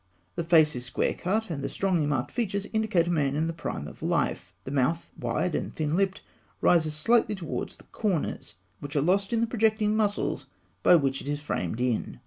The face is square cut, and the strongly marked features indicate a man in the prime of life. The mouth, wide and thin lipped, rises slightly towards the corners, which are lost in the projecting muscles by which it is framed in.